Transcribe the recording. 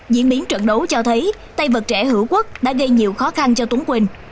diễn biến trận đấu cho thấy tay vật trẻ hữu quốc đã gây nhiều khó khăn cho túng quỳnh